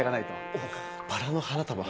おぉバラの花束。